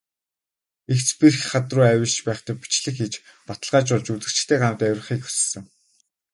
Эгц бэрх хад руу авирч байхдаа бичлэг хийж, баталгаажуулж, үзэгчидтэйгээ хамт авирахыг хүссэн.